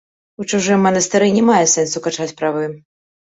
У чужым манастыры не мае сэнсу качаць правы.